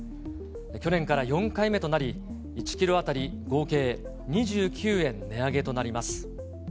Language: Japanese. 去年から４回目となり、１キロ当たり合計２９円値上げとなります。